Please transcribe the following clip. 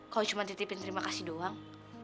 kau cuma titipin terima kasih doang